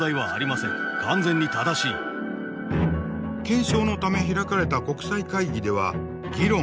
検証のため開かれた国際会議では議論百出。